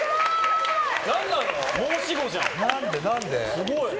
すごいな。